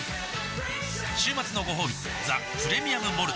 週末のごほうび「ザ・プレミアム・モルツ」